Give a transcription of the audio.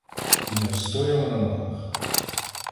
І не встояла на ногах.